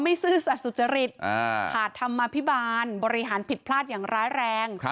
ซื่อสัตว์สุจริตขาดธรรมภิบาลบริหารผิดพลาดอย่างร้ายแรง